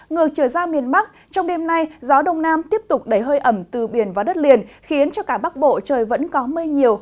ngược trở ra miền bắc trong đêm nay gió đông nam tiếp tục đẩy hơi ẩm từ biển và đất liền khiến cho cả bắc bộ trời vẫn có mây nhiều